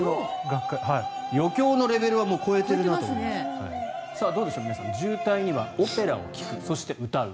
余興のレベルはもう超えているなと思いますがどうでしょう、みなさん渋滞にはオペラを聴くそして、歌う。